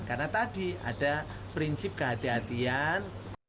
karena tadi ada prinsip kehatian